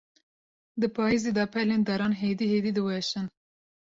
Di payîzê de, pelên daran hêdî hêdî diweşin.